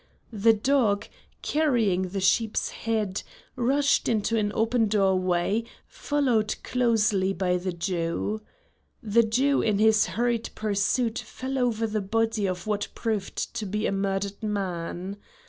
The dog, carrying the sheep's head, rushed into an open doorway, followed closely by the Jew. The Jew in his hurried pursuit fell over the body of what proved to be a murdered man.